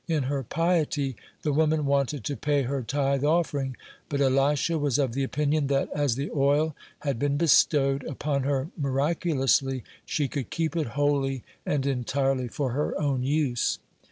In her piety the woman wanted to pay her tithe offering, but Elisha was of the opinion that, as the oil had been bestowed upon her miraculously, she could keep it wholly and entirely for her own use.